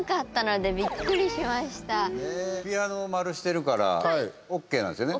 ピアノを丸してるからＯＫなんですよね？